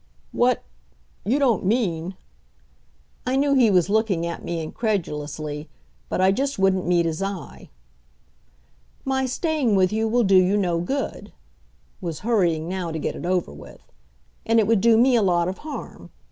"What? you don't mean " I knew he was looking at me incredulously, but I just wouldn't meet his eye. "My staying with you will do you no good " was hurrying now to get it over with "and it would do me a lot of harm.